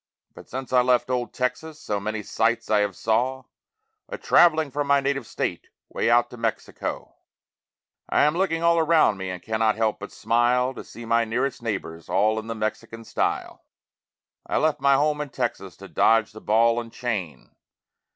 But since I left old Texas so many sights I have saw A traveling from my native state way out to Mexico, I am looking all around me and cannot help but smile To see my nearest neighbors all in the Mexican style. I left my home in Texas to dodge the ball and chain.